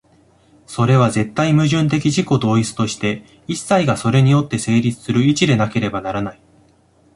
それは絶対矛盾的自己同一として、一切がそれによって成立する一でなければならない。